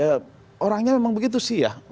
ya orangnya memang begitu sih ya